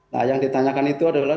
nah yang ditanyakan itu adalah